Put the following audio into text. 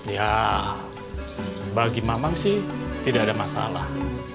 ya bagi mamang sih tidak ada masalah